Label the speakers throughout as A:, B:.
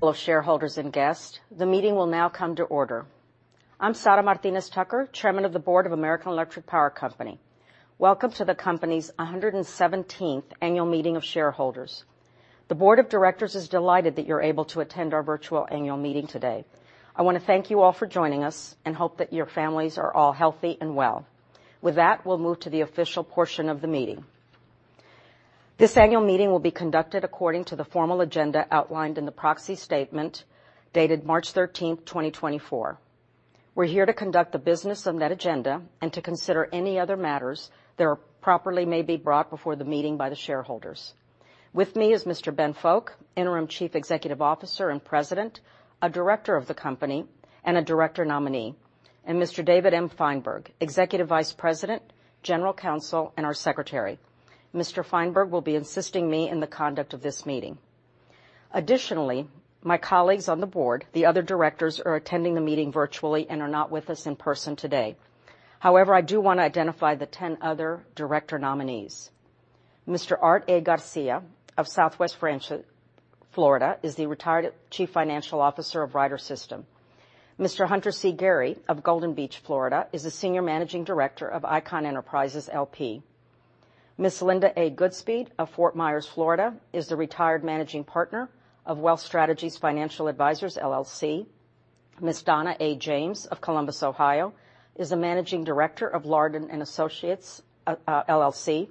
A: Hello shareholders and guests, the meeting will now come to order. I'm Sara Martinez Tucker, Chairman of the Board of American Electric Power Company. Welcome to the company's 117th annual meeting of shareholders. The Board of Directors is delighted that you're able to attend our virtual annual meeting today. I want to thank you all for joining us and hope that your families are all healthy and well. With that, we'll move to the official portion of the meeting. This annual meeting will be conducted according to the formal agenda outlined in the proxy statement dated March 13, 2024. We're here to conduct the business of that agenda and to consider any other matters that properly may be brought before the meeting by the shareholders. With me is Mr. Ben Fowke, Interim Chief Executive Officer and President, a Director of the Company, and a Director Nominee, and Mr. David M. Feinberg, Executive Vice President, General Counsel, and our Secretary. Mr. Feinberg will be assisting me in the conduct of this meeting. Additionally, my colleagues on the board, the other directors, are attending the meeting virtually and are not with us in person today. However, I do want to identify the 10 other Director Nominees. Mr. Art A. Garcia of Southwest Florida is the retired Chief Financial Officer of Ryder System. Mr. Hunter C. Gary of Golden Beach, Florida, is the Senior Managing Director of Icahn Enterprises L.P. Ms. Linda A. Goodspeed of Fort Myers, Florida, is the retired Managing Partner of WealthStrategies Financial Advisors, LLC. Ms. Donna A. James of Columbus, Ohio, is the Managing Director of Lardon & Associates, LLC.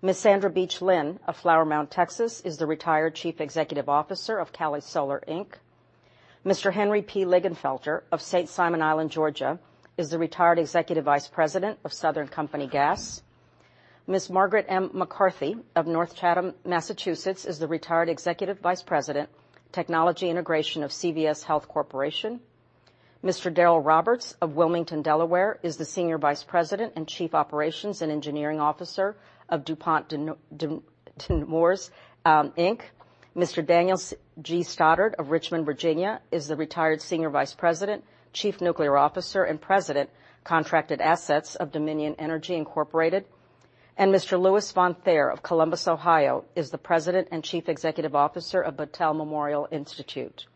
A: Ms. Sandra Beach Lin of Flower Mound, Texas, is the retired Chief Executive Officer of Calisolar Inc. Mr. Henry P. Linginfelter of St. Simons Island, Georgia, is the retired Executive Vice President of Southern Company Gas. Ms. Margaret M. McCarthy of North Chatham, Massachusetts, is the retired Executive Vice President, Technology Integration, of CVS Health Corporation. Mr. Daryl Roberts of Wilmington, Delaware, is the Senior Vice President and Chief Operations and Engineering Officer of DuPont de Nemours, Inc. Mr. Daniel G. Stoddard of Richmond, Virginia, is the retired Senior Vice President, Chief Nuclear Officer, and President, Contracted Assets, of Dominion Energy, Incorporated. Mr. Lewis Von Thaer of Columbus, Ohio, is the President and Chief Executive Officer of Battelle Memorial Institute.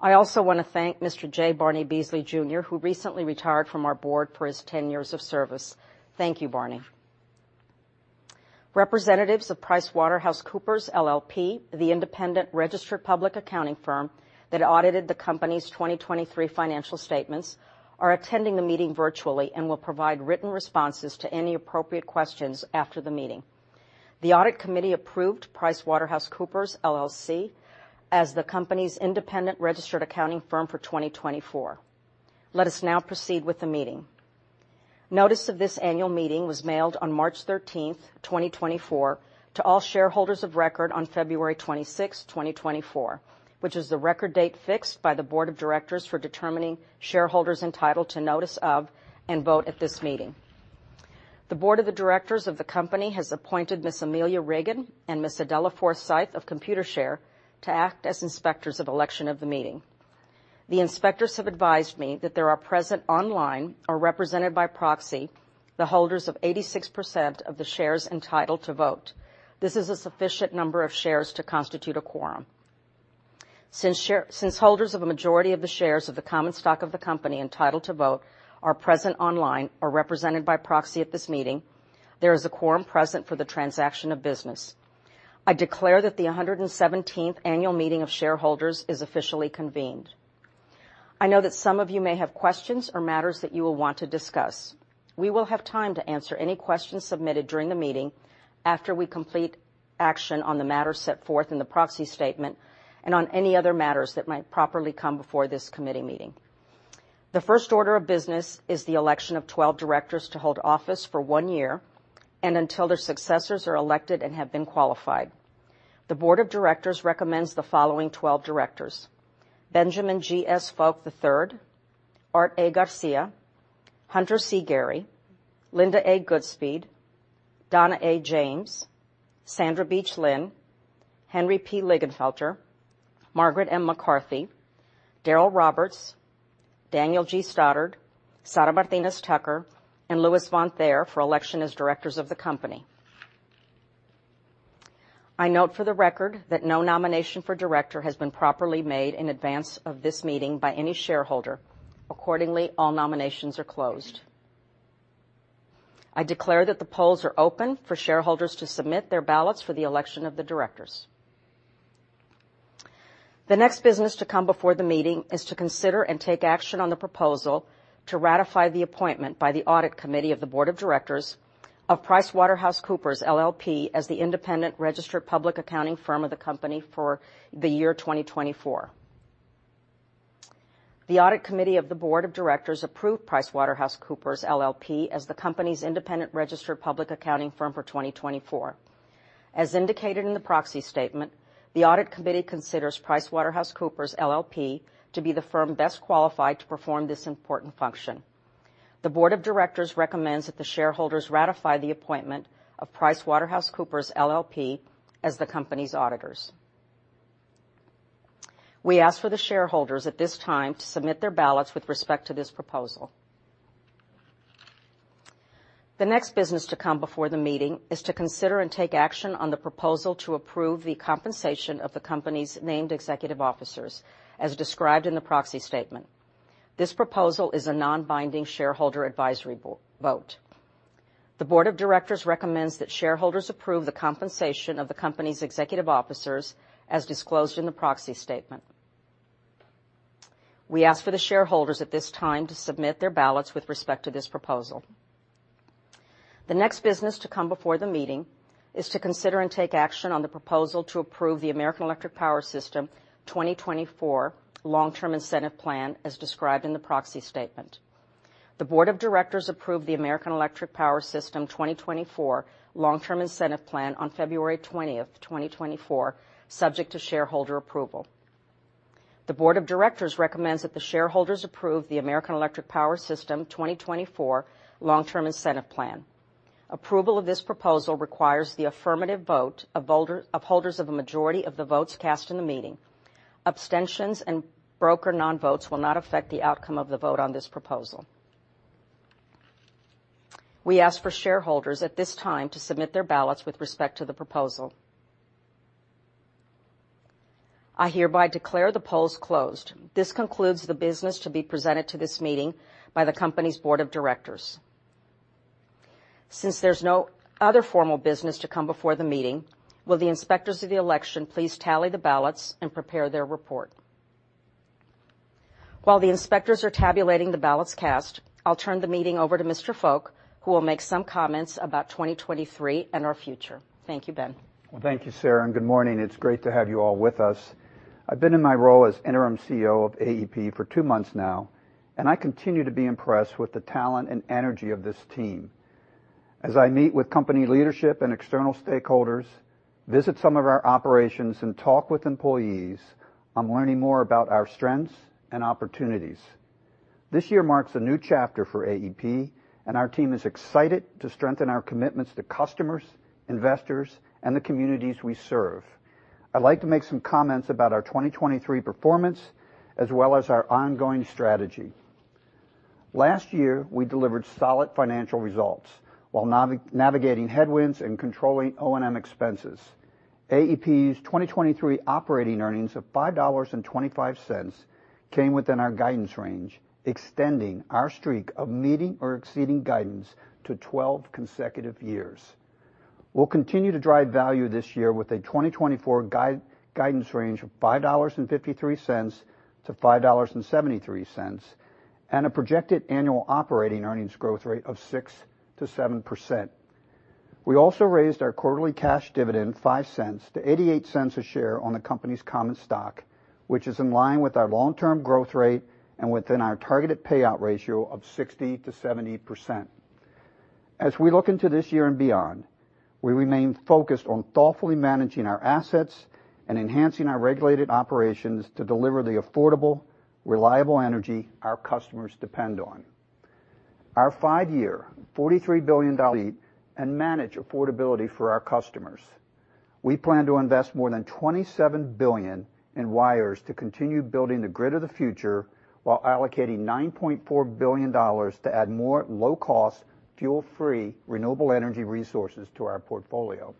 A: I also want to thank Mr. J. Barney Beasley, Jr., who recently retired from our board for his 10 years of service. Thank you, Barney. Representatives of PricewaterhouseCoopers LLP, the independent registered public accounting firm that audited the company's 2023 financial statements, are attending the meeting virtually and will provide written responses to any appropriate questions after the meeting. The audit committee approved PricewaterhouseCoopers LLP as the company's independent registered accounting firm for 2024. Let us now proceed with the meeting. Notice of this annual meeting was mailed on March 13, 2024, to all shareholders of record on February 26, 2024, which is the record date fixed by the Board of Directors for determining shareholders entitled to notice of and vote at this meeting. The Board of Directors of the company has appointed Ms. Amelia Reagan and Ms. Adela Forsyth of Computershare to act as inspectors of election of the meeting. The inspectors have advised me that there are present online or represented by proxy the holders of 86% of the shares entitled to vote. This is a sufficient number of shares to constitute a quorum. Since holders of a majority of the shares of the common stock of the company entitled to vote are present online or represented by proxy at this meeting, there is a quorum present for the transaction of business. I declare that the 117th annual meeting of shareholders is officially convened. I know that some of you may have questions or matters that you will want to discuss. We will have time to answer any questions submitted during the meeting after we complete action on the matters set forth in the proxy statement and on any other matters that might properly come before this committee meeting. The first order of business is the election of 12 directors to hold office for one year and until their successors are elected and have been qualified. The Board of Directors recommends the following 12 directors: Benjamin G. S. Fowke III, Art A. Garcia, Hunter C. Gary, Linda A. Goodspeed, Donna A. James, Sandra Beach Lin, Henry P. Linginfelter, Margaret M. McCarthy, Daryl Roberts, Daniel G. Stoddard, Sara Martinez Tucker, and Lewis Von Thaer for election as directors of the company. I note for the record that no nomination for director has been properly made in advance of this meeting by any shareholder. Accordingly, all nominations are closed. I declare that the polls are open for shareholders to submit their ballots for the election of the directors. The next business to come before the meeting is to consider and take action on the proposal to ratify the appointment by the audit committee of the Board of Directors of PricewaterhouseCoopers LLP as the independent registered public accounting firm of the company for the year 2024. The audit committee of the Board of Directors approved PricewaterhouseCoopers LLP as the company's independent registered public accounting firm for 2024. As indicated in the Proxy Statement, the audit committee considers PricewaterhouseCoopers LLP to be the firm best qualified to perform this important function. The Board of Directors recommends that the shareholders ratify the appointment of PricewaterhouseCoopers LLP as the company's auditors. We ask for the shareholders at this time to submit their ballots with respect to this proposal. The next business to come before the meeting is to consider and take action on the proposal to approve the compensation of the company's named executive officers, as described in the proxy statement. This proposal is a non-binding shareholder advisory vote. The Board of Directors recommends that shareholders approve the compensation of the company's executive officers, as disclosed in the proxy statement. We ask for the shareholders at this time to submit their ballots with respect to this proposal. The next business to come before the meeting is to consider and take action on the proposal to approve the American Electric Power System 2024 Long-Term Incentive Plan, as described in the proxy statement. The Board of Directors approved the American Electric Power System 2024 Long-Term Incentive Plan on February 20, 2024, subject to shareholder approval. The Board of Directors recommends that the shareholders approve the American Electric Power System 2024 Long-Term Incentive Plan. Approval of this proposal requires the affirmative vote of holders of a majority of the votes cast in the meeting. Abstentions and broker non-votes will not affect the outcome of the vote on this proposal. We ask for shareholders at this time to submit their ballots with respect to the proposal. I hereby declare the polls closed. This concludes the business to be presented to this meeting by the company's Board of Directors. Since there's no other formal business to come before the meeting, will the inspectors of the election please tally the ballots and prepare their report? While the inspectors are tabulating the ballots cast, I'll turn the meeting over to Mr. Fowke, who will make some comments about 2023 and our future. Thank you, Ben.
B: Well, thank you, Sara, and good morning. It's great to have you all with us. I've been in my role as Interim CEO of AEP for two months now, and I continue to be impressed with the talent and energy of this team. As I meet with company leadership and external stakeholders, visit some of our operations, and talk with employees, I'm learning more about our strengths and opportunities. This year marks a new chapter for AEP, and our team is excited to strengthen our commitments to customers, investors, and the communities we serve. I'd like to make some comments about our 2023 performance as well as our ongoing strategy. Last year, we delivered solid financial results while navigating headwinds and controlling O&M expenses. AEP's 2023 operating earnings of $5.25 came within our guidance range, extending our streak of meeting or exceeding guidance to 12 consecutive years. We'll continue to drive value this year with a 2024 guidance range of $5.53-$5.73 and a projected annual operating earnings growth rate of 6%-7%. We also raised our quarterly cash dividend $0.05-$0.88 a share on the company's common stock, which is in line with our long-term growth rate and within our targeted payout ratio of 60%-70%. As we look into this year and beyond, we remain focused on thoughtfully managing our assets and enhancing our regulated operations to deliver the affordable, reliable energy our customers depend on. Our five-year $43 billion. Meet and manage affordability for our customers. We plan to invest more than $27 billion in wires to continue building the grid of the future while allocating $9.4 billion to add more low-cost, fuel-free, renewable energy resources to our portfolio.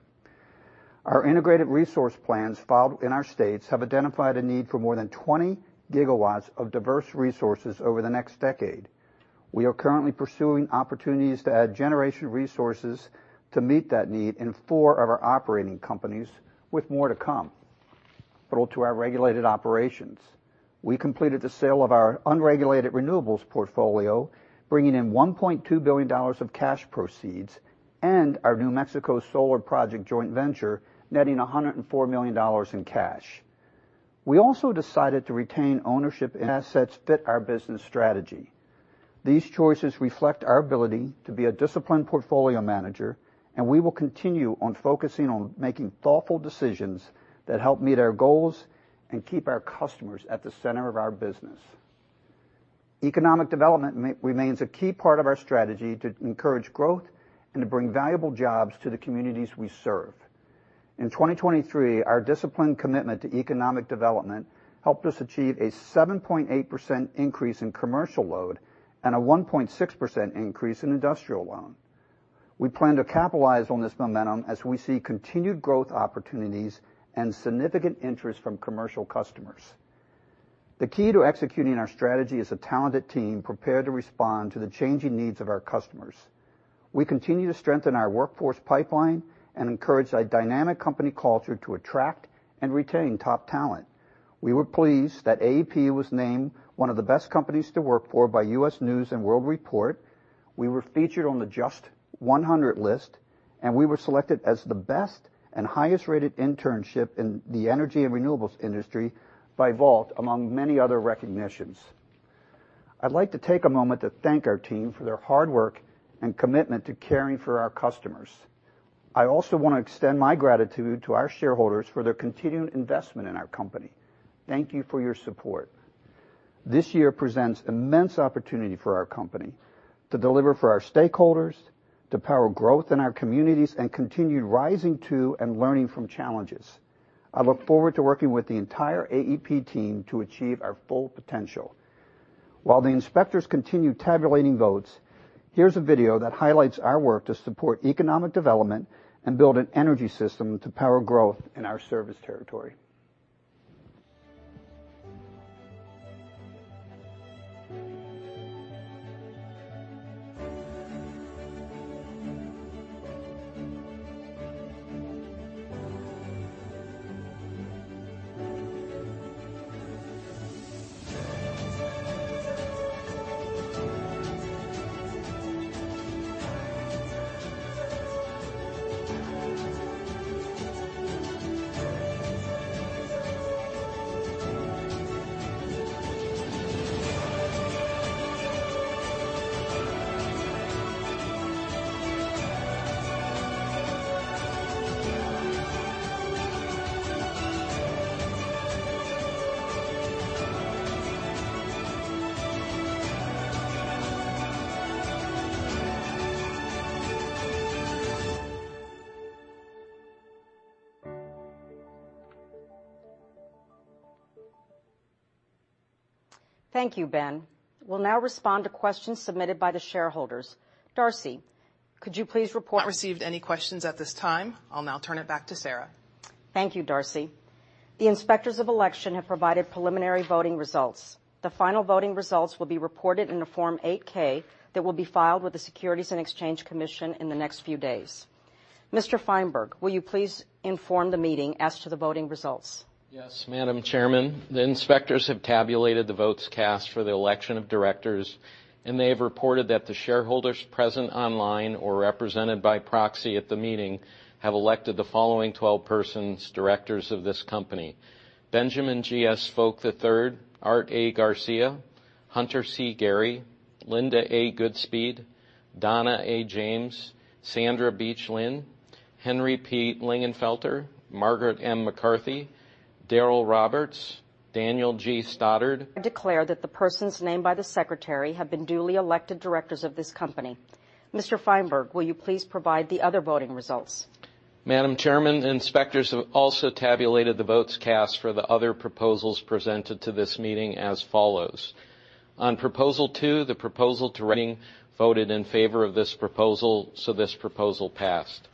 B: Our Integrated Resource Plans filed in our states have identified a need for more than 20 GW of diverse resources over the next decade. We are currently pursuing opportunities to add generation resources to meet that need in four of our operating companies, with more to come. But to our regulated operations, we completed the sale of our unregulated renewables portfolio, bringing in $1.2 billion of cash proceeds, and our New Mexico Solar Project joint venture netting $104 million in cash. We also decided to retain ownership assets fit our business strategy. These choices reflect our ability to be a disciplined portfolio manager, and we will continue on focusing on making thoughtful decisions that help meet our goals and keep our customers at the center of our business. Economic development remains a key part of our strategy to encourage growth and to bring valuable jobs to the communities we serve. In 2023, our disciplined commitment to economic development helped us achieve a 7.8% increase in commercial load and a 1.6% increase in industrial load. We plan to capitalize on this momentum as we see continued growth opportunities and significant interest from commercial customers. The key to executing our strategy is a talented team prepared to respond to the changing needs of our customers. We continue to strengthen our workforce pipeline and encourage a dynamic company culture to attract and retain top talent. We were pleased that AEP was named one of the best companies to work for by U.S. News & World Report. We were featured on the Just 100 list, and we were selected as the best and highest-rated internship in the energy and renewables industry by Vault, among many other recognitions. I'd like to take a moment to thank our team for their hard work and commitment to caring for our customers. I also want to extend my gratitude to our shareholders for their continued investment in our company. Thank you for your support. This year presents immense opportunity for our company to deliver for our stakeholders, to power growth in our communities, and continue rising to and learning from challenges. I look forward to working with the entire AEP team to achieve our full potential. While the inspectors continue tabulating votes, here's a video that highlights our work to support economic development and build an energy system to power growth in our service territory.
A: Thank you, Ben. We'll now respond to questions submitted by the shareholders. Darcy, could you please report
C: received any questions at this time? I'll now turn it back to Sara.
A: Thank you, Darcy. The inspectors of election have provided preliminary voting results. The final voting results will be reported in the Form 8-K that will be filed with the Securities and Exchange Commission in the next few days. Mr. Feinberg, will you please inform the meeting as to the voting results?
D: Yes, Madam Chairman. The inspectors have tabulated the votes cast for the election of directors, and they have reported that the shareholders present online or represented by proxy at the meeting have elected the following 12 persons directors of this company: Benjamin G. S. Fowke III, Art A. Garcia, Hunter C. Gary, Linda A. Goodspeed, Donna A. James, Sandra Beach Lin, Henry P. Linginfelter, Margaret M. McCarthy, Daryl Roberts, Daniel G. Stoddard.
A: I declare that the persons named by the secretary have been duly elected directors of this company. Mr. Feinberg, will you please provide the other voting results?
D: Madam Chairman, the inspectors have also tabulated the votes cast for the other proposals presented to this meeting as follows. On Proposal two, the proposal. The meeting voted in favor of this proposal, so this proposal passed.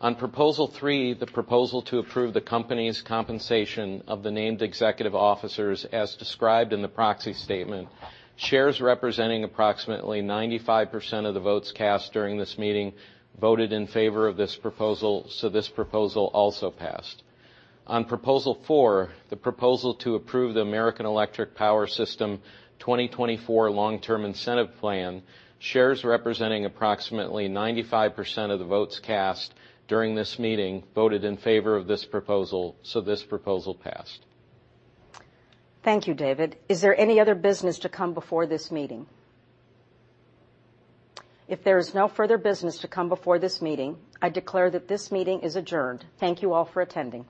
D: On Proposal three, the proposal to approve the company's compensation of the named executive officers, as described in the proxy statement, shares representing approximately 95% of the votes cast during this meeting voted in favor of this proposal, so this proposal also passed. On Proposal 4, the proposal to approve the American Electric Power System 2024 Long-Term Incentive Plan, shares representing approximately 95% of the votes cast during this meeting voted in favor of this proposal, so this proposal passed.
A: Thank you, David. Is there any other business to come before this meeting? If there is no further business to come before this meeting, I declare that this meeting is adjourned. Thank you all for attending.